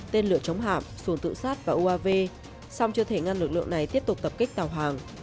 tên lửa chống hạm xuồng tự sát và uav song chưa thể ngăn lực lượng này tiếp tục tập kích tàu hàng